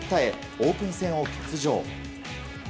オープン戦を欠場。